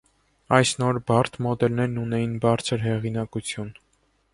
Այս նոր բարդ մոդելներն ունեին բարձր հեղինակություն։